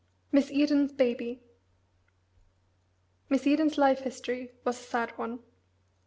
MISS EDEN'S BABY MISS EDEN'S life history was a sad one.